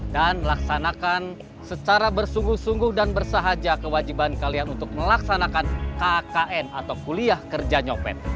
dan laksanakan secara bersungguh sungguh dan bersahaja kewajiban kalian untuk melaksanakan kkn atau kuliah kerja nyopet